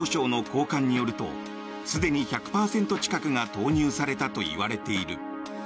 アメリカ国防総省の高官によるとすでに１００％近くが投入されたといわれている。